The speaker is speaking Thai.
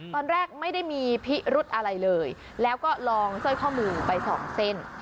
ตอนแรกไม่ได้มีพิรุธอะไรเลยแล้วก็ลองสร้อยข้อมือไปสองเส้น